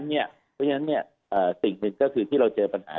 เพราะฉะนั้นสิ่งแรกที่หนึ่งที่เราเจอปัญหา